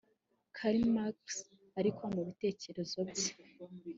Karl Marx ariko mu bitekerezo bye